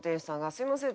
すいません